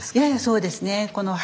ややそうですね。